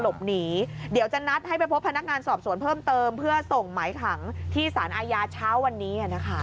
เดี๋ยวจะนัดให้ไปพบพนักงานสอบสวนเพิ่มเติมเพื่อส่งหมายขังที่สารอาญาเช้าวันนี้นะคะ